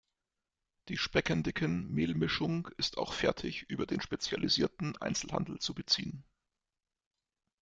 Die Speckendicken-Mehlmischung ist auch fertig über den spezialisierten Einzelhandel zu beziehen.